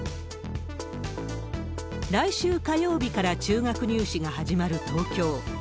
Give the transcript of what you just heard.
来週火曜日から中学入試が始まる東京。